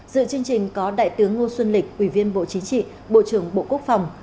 dựa chương trình có đại tướng ngo xuân lịch ủy viên bộ chính trị bộ trưởng bộ quốc phòng